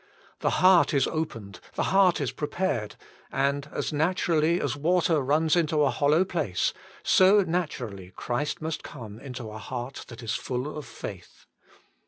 The heart is opened, the heart is prepared; and as naturally as water runs into a hollow place, so naturally Christ must come into a heart that is full of faith.